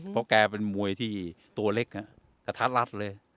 เพราะแกเป็นมวยที่ตัวเล็กกระทัดรัดเลย